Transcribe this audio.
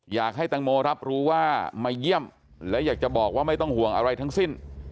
อยากให้แตงโมรับรู้ว่ามาเยี่ยมและอยากจะบอกว่าไม่ต้องห่วงอะไรทั้งสิ้น